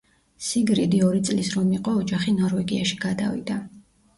სიგრიდი ორი წლის რომ იყო ოჯახი ნორვეგიაში გადავიდა.